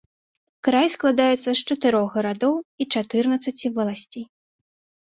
Край складаецца з чатырох гарадоў і чатырнаццаці валасцей.